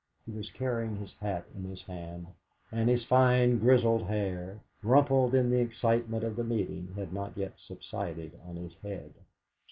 He was carrying his hat in his hand, and his fine grizzled hair, rumpled in the excitement of the meeting, had not yet subsided on his head.